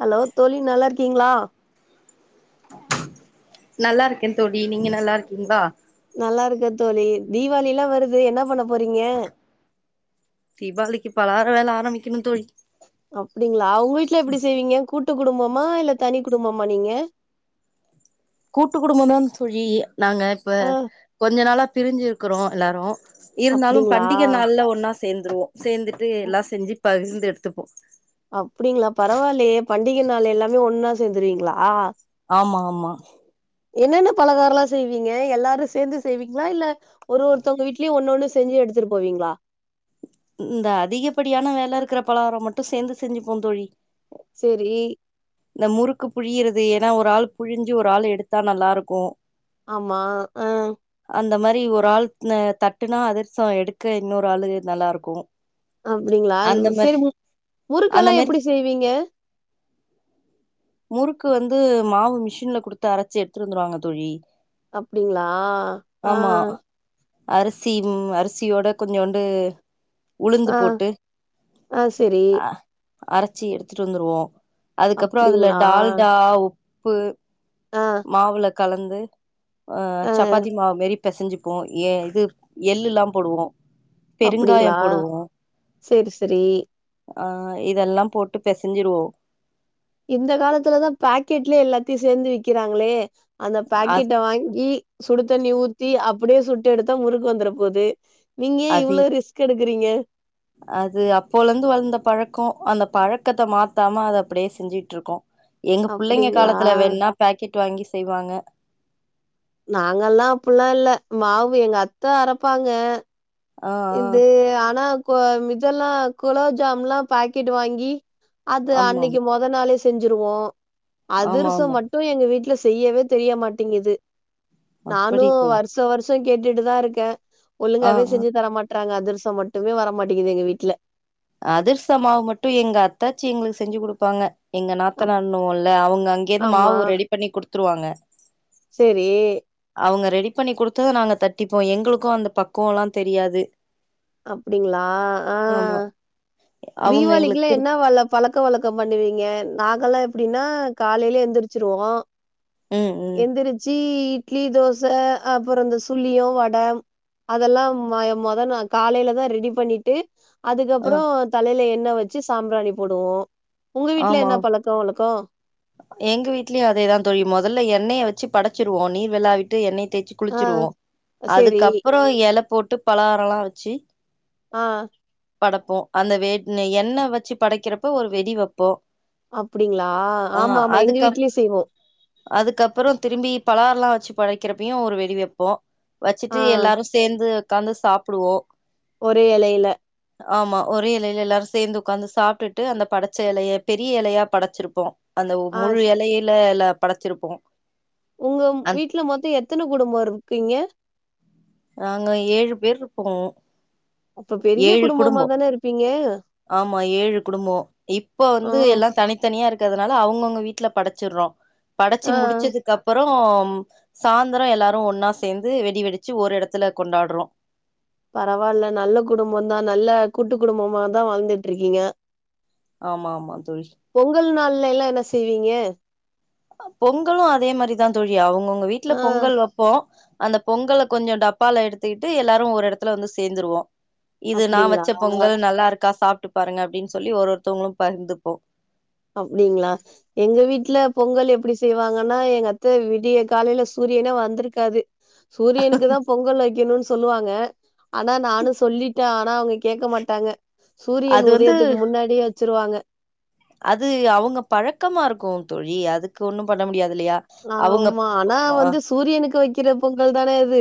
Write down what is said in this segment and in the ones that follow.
Hello தோழி நல்லா இருக்கிங்ளா நல்லா இருக்கே தோழி நீங்க நல்லா இருக்கிங்ளா கே தோழி தீவாளில்லா வருது என்ன பண்ண போறிங்க தீபாவளிக்கு பலகார வேல ஆரம்பிக்கணு தோழி அப்டிங்ளா உங்கு வீட்ல எப்டி செய்விங்க கூட் டு குடும்பமா இல்ல தனி குடும்பமா நீங்க கூட்டு குடும்பந்தான் தோழி நாங்க இப்ப ஆ கொஞ்ச நாளா பிரிஞ்சிருக்குறோ எல்லாரு இருந்தாலு அப்டிங்களா பண்டிக நாள்ல ஒன்னா சேந்துருவோ சேந்துட்டு எல்லா செஞ்சு பகிர்ந்து எடுத்துப்போ அப்டிங்களா பரவாயில்லயே பண்டிகை நாள் எல்லாமே ஒன்னா சேந்துருவீங்களா ஆமா ஆமா என்னென்ன பலகாரலா செய்வீங்க எல்லாரு சேந்து செய்வீங்களா இல்ல ஒரு ஒருத்தங்க வீட்டுலயு ஒன்னொன்னு செஞ்சு எடுத்துட்டு போவீங்களா இந்த அதிகப்படியான வேல இருக்கிற பலாகாரோ மட்டு சேந்து செஞ்சுப்போ தோழி சேரி இந்த முறுக்கு புழியுறது ஏன்னா ஒரு ஆள் புழிஞ்சு ஒரு ஆள் எடுத்தா நல்லாருக்கு ஆமா அ அந்த மாரி ஒரு ஆள் அ தட்டுனா அதுரசோ எடுக்க இன்னொரு ஆள்ளு நல்லா இருக்கு அப்படிங்களா அந்த மாரி சரி மு அந்த முறுக்கெல்லா மாரி எப்படி செய்வீங்க முறுக்கு வந்து மாவு மிஷின்ல குடுத்து அரைச்சு எடுத்து வந்துருவாங்க தோழி அப்டிங்களா ஆ ஆமா அரிசி ம் அரிசியோட கொஞ்சோண்டு உளுந்து ஆ போட்டு ஆ சரி அரைச்சி எடுத்துட்டு வந்துருவோ அதுக்கப்புற அதுல அப்டிங்களா டால்டா உப்பு ஆ மாவுள கலந்து ஆ சப்பாத்தி மாவுமாரி பசைஞ்சுப்போ எ இதுப் எள்ளுலா போடுவோ பெருங்காயோ அப்டிங்களா போடுவோ சரி சரி ஆ இதெல்லா போட்டு பெசஞ்சிருவோ இந்த காலத்துலதா பாக்கெட்லயே எல்லாத்தையு சேர்ந்து விக்கிறாங்களே அந்த அ பாக்கெட்டை வாங்கி சுடு தண்ணி ஊத்தி அப்டியே சுட்டு எடுத்தா முறுக்கு வந்துட போது நீங்க அது இவ்ளோ ரிஸ்க் எடுக் இருக்கிறீங்க அது அப்போலந்து வளந்த பழக்க அந்த பழக்கத்தை மாத்தாம அத அப்டியே செஞ்சுட்ருக்கோ எங்க பிள்ளைங்க அப்டிங்களா காலத்துல வேணுனா பாக்கெட் வாங்கி ஷ் செய்வாங்க நாங்கல்லா அப்பல்லா இல்ல மாவு எங்க அத்த அரப்பாங்க ஆ ஆ இந்தே ஆனா கொ இதெல்லா குலாப்ஜாம்ல்லா பாக்கெட் வாங்கி அது ஆமாமா அன்னைக்கு மொத நாளே செஞ்சுருவோ ஆமா அதிரசம் ஆமா மட்டும் எங்க வீட்டு செய்யவே தெரியமாட்டேங்குது அப்படி நானும் தோழி வருசவருச கேட்டுட்டுதான் இருக்கே ஆ ஒழுங்காவே ஆ செஞ்சு தர மாட்டறாங்க அதிரசம் மட்டுமே வரமாட்டேங்குது எங்க வீட்டுல அதிர்சமாவ மட்டும் எங்க அத்தாச்சி எங்களுக்கு செஞ்சு கொடுப்பாங்க எங்க அப் நாத்தனானும்ல்ல அவங்க அங்கேருந்து ஆமா மாவு ரெடி பண்ணி கொடுத்து கொடுத்துருவாங்க சேரி அவங்க ரெடி பண்ணி கொடுத்த நாங்க தட்டிப்போம் எங்களுக்கும் அந்த பக்குவம் எல்லாம் தெரியாது அப்படிங்களா ஆமா ஆஹ் அவங்க எங்களுக்கு தீபாவளிக்கெல்லா குடு என்ன வழ பழக்க வழக்கம் பண்ணுவீங்க நாங்கெல்லாம் எப்படின்னா காலையிலே எழுந்திரிச்சிருவோம் ம் ம். எந்திரிச்சி இட்லி தோசை அப்புற இந்த சுள்ளியும் வடை அதெல்லாம் முத நா காலையிலதான் ரெடி பண்ணிட்டு ஆ அதுக்கப்புறம் தலையில என் எண்ணெ வச்சு சாம்பிராணி போடுவோம் ஆமா எங்க வீட்லயும் அதேதான் தோழி முதல்ல எண்ணெய வச்சு படைச்சிருவோம் நீர் விளாவிட்டு எண்ணெய தேய்ச்சு ஆ குளிச்சிருவோம் சேரி அதுக்கப்புறம் இலை போட்டு பலகாரம் எல்லாம் வச்சு ஆஹ் படைப்போம் அந்த வே எண்ணெ வச்சு படைக்கிறப்ப ஒரு வெடிவெப் போ அப்படிங்களா ஆமா ஆமா எங்க வீட்லயு செய்வோம் அதுக்கப்புறம் திரும்பி பலகாரம் எல்லாம் வச்சு படைக்கிறப்பையும் ஒரு வெடிவைப்போம் ஆ வச்சுட்டு எல்லாரும் சேர்ந்து உட்காந்து சாப்பிடுவோ ஒரே இலையில ஆமா ஒரே இலையில எல்லாரு சேர்ந்து உட்காந்து சாப்பிட்டுட்டு அந்த படத் பச்ச இலைய பெரிய இலையா படைச்சிருப்போம் அந்த ஆ முழு ஸ் இலையில எல்லா படைச்சிருப்போம் உங்க வீட்டுல மொத்தம் எத்தன குடும்பம் இருக்கீங்க நாங்க ஏழு பேர் [unintelligible] அப்ப பெரிய ஏழு குடும்பமா குடும்பம் தான இருப்பீங்க ஆமா ஏழு குடும்பம் இப்ப ஆ வந்து எல்லாம் தனித்தனியா இருக் இருக்கிறதுனால அவங்கவுங்க வீட்டுல படைச்சடுறோ படைச்ச ஆ முடிச்சதுக்கு அப்புறம் சாந்திரம் எல்லாரும் ஒன்னா சேர்ந்து வெடி வெடிச்ச ஒரு இடத்துல கொண்டாடுறோ பரவாயில்ல நல்ல குடும்பம தான் நல்ல கூட்டு குடும்பமாதான் வாழ்ந்துட்டு இருக்கீங்க ஆமா ஆமா தோழி பொங்கல் நாள்ல எல்லா என்ன செய்வீங்க பொங்கலும் அதே மாதிரிதான் தோழிஅவு உங்க வீட்ல ஆ பொங்கல் வெப்போ அந்த பொங்கல கொஞ்சோ டப்பால எடுத்துட்டு எல்லாரு ஒரு எடத்துலந்து சேர்ந்துருவோ இது நா அப்டிங்களா வெச்ச பொங்கல் நல்லாருக்கா சாப்ட்டு பாருங்க அப்டின் சொல்லி ஒரு ஒருத்தௌங்ளோ பகிர்ந்துப்போ அப்டிங்ளா எங்க வீட்ல பொங்கல் எப்டி செய்வாங்கன்னா எங்க அத்த விடிய காலைல சூரியனே வந்துருக்காது சூரியனுக்கு தா பொங்கல் வக்கிணு சொல்லுவாங்க ஆனா நானு சொல்லிட்ட ஆனா அவுங்க கேக்க மாட்டாங்க சூரியன் அது வந்து உதயத்துக்கு முன்னாடி ச்சுருவாங்க அது அவங்க பழக்கமாருக்கோ தோழி அது கொன்னு பண்ண முடியாதுல்லயா அவுங்க கிற பொங்கல் தானே அது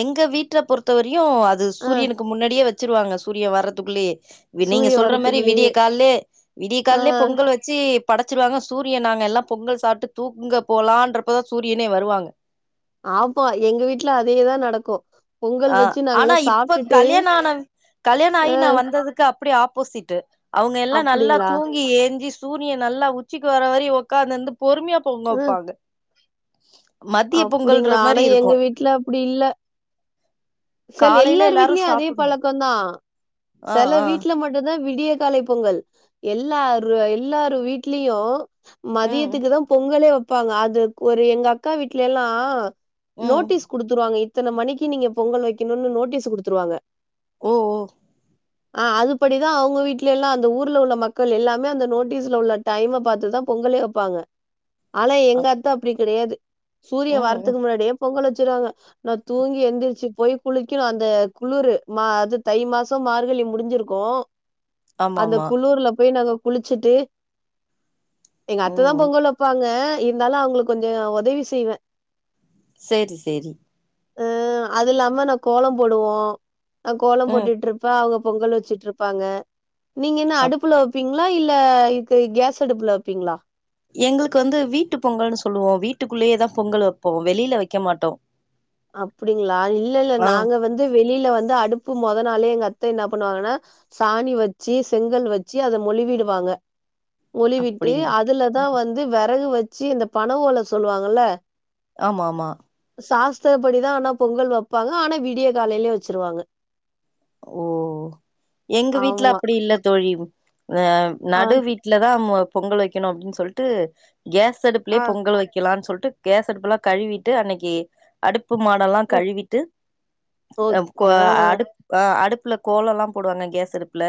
எங்க வீட்ட பொறுத்தவரியு அது ஆ சூரியனுக்கு முன்னாடியே வெ ச்சிருவாங்க சூரிய வர்றதுக்குள்ளே நீங்க சூரிய சொல்ற மரி விடிய வரத்துக்குள்ளயே கால்லே விடி ஆ கால்லே பொங்கல் வெச்சு படச்சிருவாங்க சூரியன் நாங்க எல்லா பொங்கல் சாப்ட்டு தூங்க போலான்ரப்பதா சூரியனே வருவாங்க தே தா நடக்கு பொங்கல் ஆ வச்சு ஆனா நாங்கல்லா இப்ப சாப்ட்டுட்டு கல்யாணான கல்யாணாயி ஆ நா வந்ததுக்கு ப்டி ஆப்போசீட்டு அவுங்க எல்லா நல்லா அப்டிங்களா தூங்கி ஏஞ்சி சூரியன் நல்லா உச்சிக்கு வர வரி ஒக்காந்துந்து பொறுமியா பொங்கப்பாங்க அப்டிங்ளா ஆனா எங்க இருக்கும். வீட்ல அப்டி இல்ல செல் காலையில எல்லார் எல்லாரும் வீட்லியு அதே சாப்புட்ணும். பழக்கோந்தா ஆ செல ஆ. வீட்ல மட்டுதா திய காலை பொங்கல் எல்லாரு ல்லாரு வீட்லியு ம் மதியத்துக்கு தா பொங்கலோ ப்பாங்க அது ஒரு எங்க அக்கா வீட்ல எல்லா ம். நோட்டீஸ் குடுத்துருவாங்க இ த்தன மணிக்கி நீங்க பொங்கல் வெக்கிணுன்னு நோட்டீஸ் குடுத்துருவாங்க ஓ ஓ ஆ அது படிதா அவுங்க வீட்ல எல்லா அந்த ஊருல உள்ள மக்கள் எல்லாமே அந்த நோட்டீஸ்ல உள்ள டைம பாத்துதா பொங்கலே வப்பாங்க ஆள அப் எங்க அத்த அப்டி கெடையாது சூரிய ம் ம் வரத்துக்கு முன்னாடே பொங்கல் வ ச்சிருவாங்க நா தூங்கி எந்துரிச்சு போய் குளிக்கணு அந்த குளுரு மா அது தை மாசோ மார்கழி முடிஞ்சுருக்கு அந்த ஆமாமா குளூர்ல போய் நாங்க குளிச்சுட்டு எங்க அத்ததா ம் பொங்கல் வப்பாங்க இருந்தாலு அவுங்களுக் கொஞ்சோ ஒதவி செய்வே சேரி சேரி அ அது இல்லாம நா கோலோ போடுவோ நா கோல ம் போட்டுட்ருப்ப அவுகப் பொங்கல் வச்சுட்ருப்பாங்க நீங்க என்ன அப் அடுப்புல வப்பீங் ப்புல இல்ல இக்கு கேஸ் அடுப்புல வப்பீங்ளா எங்ளுக்கு வந்து வீட்டு பொங்கல்னு சொல்லுவோ வீட்டுக்குள்ளயேதா பொங்கல் வப்போ வெளில வைக்க மாட்டோ அப்டிங்ளா இல்ல இல்ல ஆ நாங்க வந்து வெளில வந்து அடுப் பு மொதனாலே எங்க அத்த என்ன பண்ணுவாங்கனா சாணி வச்சு செங்கல் வச்சு அத மொளிவிடுவாங்க மொளிவிட்டு அப்டிங் அதுலதா வந்து வெறகு வ ச்சு இந்த பண ஓல சொல்லுவாங்குல்ல ஆமா ஆமா சாஸ் த்ரபடிதா ஆனா பொங்கல் வப்பாங்க ஆனா விடிய காலைலே வச்சிருவாங்க ஓ எங்க வீட்ல ஆமா. அப்டி இல்ல தோழி அ ஆ, நடு வீட்ல தா மொ பொங்கல் வைக்கிணு அப்டின் சொல்ட்டு கேஸ் அடுப்புலே ஆ, பொங்கல் வைக்கலா சொல்ட் டு கேஸ் அடுப்புலா கழுவிட்டு அன்னைக்கி அடுப் பு மாடல்லா ம், கழுவிட்டு அ ஓக் கோ ஆ, அடுப் அ அடுப்புல கோலலா போடுவாங்க கேஸ் அடுப்ல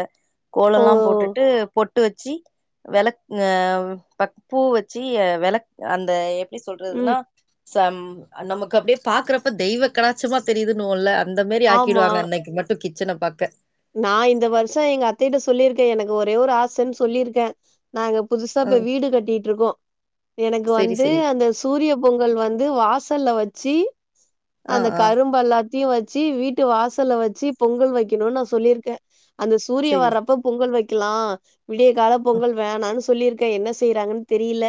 ஓ! கோலலா போட்டுட்டு பொட் டு வச்சி வெளக் ந தட் பூ வச்சி வெளக் அந்த எப் எப்படி ம். சொல்றதுனா சம் அ நமக்கு அப்டியே பாக்குறப்ப தெய்வ கலாச்சமா தெரியுதுண்ணுவோல அந்த மாரி ஆக்கிர்வாங்க அன்னைக்கு மட் கிச்சன பாக்க நா இந்த வருஷம் எங்க அத்தைகிட்ட சொல்லியிருக்கே எனக்கு ஒரே ஒரு ஆசைன் சொல்லிருக்கே நாங்க புதுசா ஆ இப்ப வீடு கட்டிட்ருக்கோ எனக்கு செரி வந்து செரி அந்த சூரிய பொங்கல் வந்து வாசல்ல வ சீ ஆ அந்த ஆ கரும்பெல்லாம் வச்சு வீட்டு வாசல்ல வச்சு பொங்கல் வைக்கணுனு நா சொல்லியிருக்கே அந்த சூரிய செரி வர்றப்ப பொங்கல் வைக் ஆ விடிய கால பொங்கல் வேணான்னு சொல்லியிருக்கேன் என்ன செய்யறாங்கன்னு தெரியல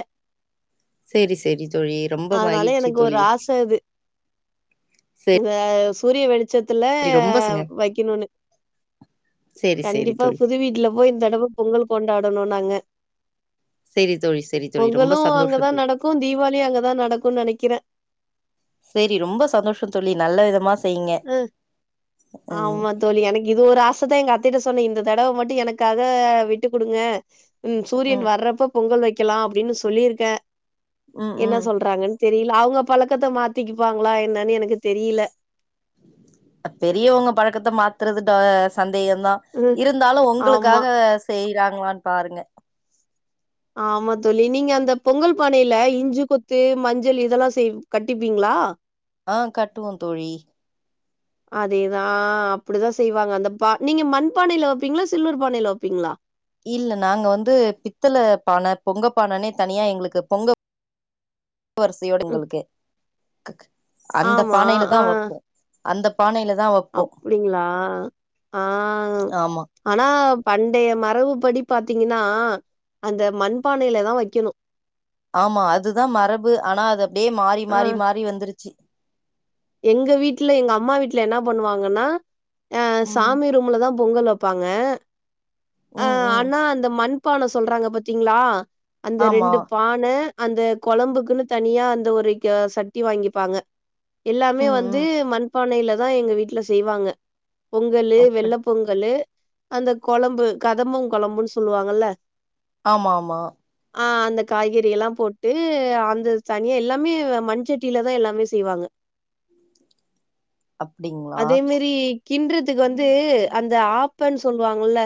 சரி சரிதோழி ரொம்ப அதனால மகிழ்ச்சி எனக்கு தோழி செரி ஹ சூரிய வெளி ச்சத்துல ரொம்ப சங்க வைக்கணுனு செரி செரி கண்டிப்பா தோழி புது வீட்டுல போய் இந்த தடவை பொங்கல் கொண்டாடனும் நாங்க செரி தோழி செரி தோழி ரொம்ப பொங்களும் சந்தோஷோ அங்கதான் தோழி நடக்கும் தீபாவாளியும் அங்கதான் நடக்கும்னு நினைக்கிறேன் சரி ரொம்ப சந்தோஷம் தோழி நல்ல விதமா செய்ங்க ம் ம் ஆமா தோழி எனக்கு இது ஒரு ஆசைதா எங்க அத்தைட்ட இந்த தடவ மட்டும் எனக்காக விட்டு கொடுங்க சூரியன் ம் வர்றப்ப பொங்கல் வைக் வைக்கலாம்அப்டின்னு சொல்லிருக்கே ம் என்ன ம் சொல்றாங்கன் தெரியல அவங்க பழக்கத்தை மாத்திக்குப்பாங்களா என்னன்னு எனக்கு தெரியல பெரியவங்க பழக்கத்த மாத் த்ரது டாஸ்க் [unintelligible] சந்தேகம் தான் ம் இருந்தாலும் ஆமா. உங்களுக்காக செய் இருக்காங்கலான்னு பாருங்க ஆமாத் தோழி நீங்க அந்த பொங்கல் பானையில இஞ்சி கொத்து மஞ்சள் இதெல்லாம் செய் கட்டிப்பீங்களா ஆ கட்டுவோம் தோழி அதேதான் அப்படிதான் செய்வாங்க அந்த பா நீங்க மண்பானையில வைப்பீங்களா சில்வர் பானையில வைப்பீங்களா இல்ல நாங்க வந்து பித்தளை பான பொங்க பானனே தனியா எங்களுக்கு பொங்க ஒரு வரிசையோடு ம். எங்களுக்கு கக்க அந்த ஆமா. பானையில தா ஆ வப்போ அந்த பானையில தா வப்போ அப்படிங்களா ஆ ஆமா ஆனா பண்டைய மரபு படி பாத்தீங்கன்னா அந்த மண்பானையில தா வெக்கணு ஆமா அதுதா மரபு ஆனா அது அப்டியே மாறி ஆ மாறி மாறி வந்துருச்சு எங்க வீட்டுல எங்க அம்மா வீட்டுல என்ன பண்ணுவாங்கன்னா ஆ ம் சாமி ரூம்ல தா பொங்கல் வெப்பாங்க ஆ ம் ம் ஆனா அந்த மண் இப்பான சொல்றாங்க பாத்தீங்களா அந்த ஆமா ரெண்டு பான அந்த கொழம்புக்குன்னு தனியா அந்த ஒரு க சட்டி வாங்கிப்பாங்க எல்லாமே ம் வந்து ம் மண்பானையில தா எங்க வீட்டுல செய்வாங்க பொங்கலு அப்படி வெள்ள பொங்கலு அந்த கொழம்பு கதம்பம் கொழம்புன்னு சொல்லுவாங்கல்ல ஆமா ஆமா ஆ அந்த காய்கறி எல்லா போட்டு அந்த தனியா எல்லாமே மண்ச்சட்டியில தா எல்லாமே செய்வாங்க அப்டிங்களா கின்றதுக்கு வந்து அந்த ஆப்பன்னு சொல்லுவாங்கல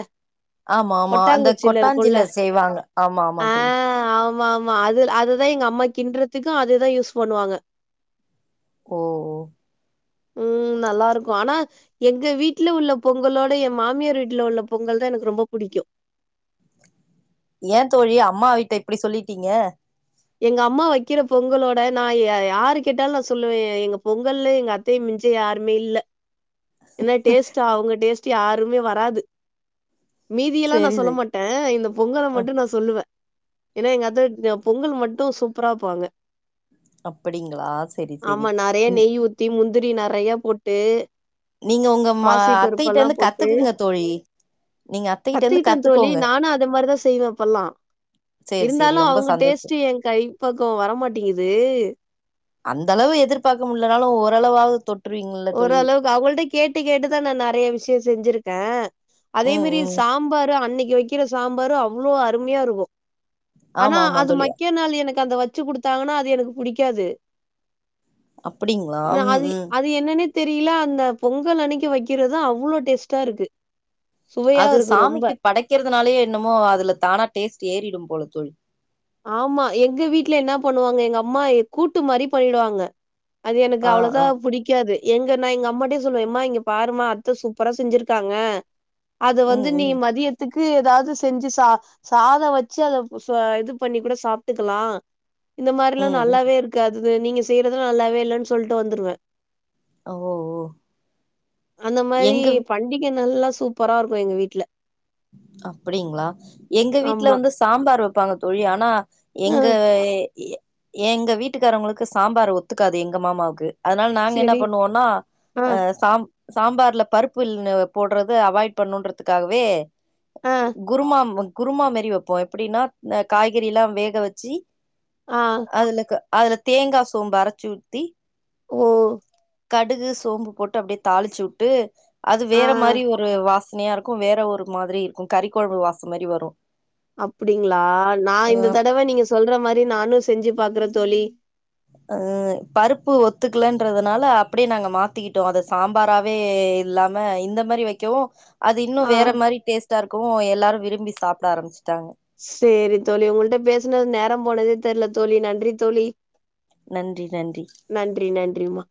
ஆமா ஆமா அந்த கொட்டாஞ்சில செய்வாங்க ஆமா ஆமா தோழி ஆமா அது அதுதா எங்க அம்மா கின்றதுக்கு அததுதா யூஸ் பண்ணுவாங்க ஓ ஓ உம் நல்லா இருக்கு ஆனா எங்க வீட்டுல உள்ள பொங்கலோட எ மாமியார் வீட்டுல உள்ள பொங்கல் தா எனக்கு ரொம்ப புடிக்கு ஏ தோழி அம்மா வீட்ட இப்டி சொல்லிட்டீங்க எங்க அம்மா வெக்கிற பொங்கலோட நா யா யாரு கேட்டாலு நா சொல்லுவே எங்க பொங்கல்ல எங்க அத்தைய மிஞ்ச யாருமே இல்ல என்ன டேஸ்ட்டா அவங்க டேஸ்ட் யாருமே வராது மீதியெல்லா நா சேரி சொல்ல சேரி மாட்டே இந்த பொங்கல அ மட்டு நா சொல்லுவே ஏன்னா எங்க அத்த பொங்கல் மட்டும் சூப்பரா வெப்பாங்க அப்படிங்களா செரி செரி ம் ந்திரி நறையா போட்டு நீங்க உங்க மா பாசி அத்தைகிட்ட பருப்பெல்லா இருந்து போட்டு கத்துக்குங்க தோழி நீங்க அத்தைகிட்ட இருந்து கத்துக்கிட்டன் தோளி கத்துக்கோங்க நானு அது மாரிதா செய்வேன்ப்பெல்லா சேரி சேரி இருந்தாலு ரொம்ப அவங்க சந்தோஷோ டேஸ்ட்டு எ கைப்பக்குவோ வரமாட்டேங்குது அந்த அளவு எதிர்பாக்க முடியலனாலு ஓரளவாவது தொட்டு ஓரளவுக்கு அவங்கள்ட கேட்டு கேட்டுதா நா நெறைய விஷய செஞ்சிருக் க அதே ம் மாரி ம் சாம்பார் அன்னைக் இ வைக்கிற சாம்பாரு அவ்ளோ அருமையா இருக்கு ஆனா ஆமா ஆமா அது தோழி மக்கியா நாள் எனக்கு அந்த வச்சு குடுத்தாங்கன்னா அது எனக்கு புடிக்காது அப்டிங்களா நா ம் அது ம் அது என்னன்னே தெரியல அந்த பொங்கல் அன்னைக்கி வைக்கிறதா அவ்ளோ டேஸ்ட்டா இருக்கு சுவையா அது இருக்கு ரொம்ப. சாமிக்கு படைக்கிறதுனாலயே என்னமோ அதுல தானா டேஸ்ட் ஏறிடும் போல தோழி ஆமா எங்க வீட்டுல என்னா பண்ணுவாங்க எங்கம்மா கூட்டு மாரி பண்ணிடுவாங்க அது எனக்கு ஆ அவ்ளோதா ஆ புடிக்காது எங்க நா எங்கம்மாட்டயே சொல்லுவே எம்மா இங்க பாருமா அத்த சூப்பரா செஞ்சிருக்காங்க அது ம் வந்து நீ ம் மதியத்துக் ஏதாவது செஞ்சு ச சாத வச்சு அத இது பண்ணி கூட சாப்ட்டுக்கலா இந்த மாரிலா ம் ம் நல்லாவே இருக்காது நீங்க செய்யறது நல்லாவே இல்லைன் சொல்ட்டு வந்துருவே ஓ ஓ அந்த மாரி எங்க பண்டிகை நல்லா சூப்பராருக்கு எங்க வீட்ல அப்டிங்ளா எங்க வீட்ல ஆமா. வந்து சாம்பார் வப்பாங்க தோழி ஆனா ஆ எங்க எ எங்க வீட்டுக்காரவங்களுக்கு சாம்பார் ஒத்துக்காது எங்க மாமாவுக்கு அதனால நாங்க என்ன சரி. பண்ணுவோம்னா ஆ சாம் சாம்பார்ல பருப்பு ல் போடுறது அவாய்ட் பண்ணுன்றதுக்காகவே ஆ குருமா ம் குருமா மாரி வைப்போ எப்படின்னா காய்கறில்லா வேக வச்சு ஆ அதுலக்கு அதுல தேங்கா சோம்பு அரைச்சு ஊத்தி ஓ கடுகு சோம்பு போட்டு அப்டியே தாளிச்சு விட்டு அது ஆ வேற மாரி ஒரு வாச சனையா இருக்கு வேற ஒரு மாதிரி இருக்கு கறிக்கொழம்பு வாச மாரி வரு அப்டிங்களா நா இந்த தடவ நீங்க சொல்ற மாரி நானு செஞ்சு பாக்குறது தோழி அ பருப்பு ஒத்துக்கலன்றதுனால அப்டியே நாங்க மாத்திக்கிட்டோ அத சாம்பாராவே இல்லாம இந்த மாரி வக்கவு அது இன்னு ஆ வேற மாரி டேஸ்டா இருக்கவு எல்லாரு விரும்பி சாப்ட ஆரம்முச்ட்டாங் சேரி தோழி உங்கள்ட்ட பேசுனது நேரம் போனதே தெர்ல தோழி நன்றி தோழி நன்றி நன்றி நன்றி நன்றி மா